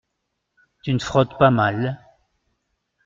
Tu ne frottes pas mal…